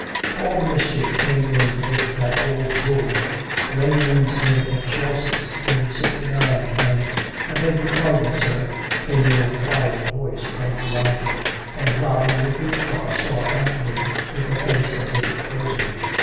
All the mischief came in with that old Bull, Regnans in Excelsis, in '(59, and "" I beg your pardon, sir," came in a quiet voice from be yond him; and Robin, looking across, saw Anthony with a face as if frozen.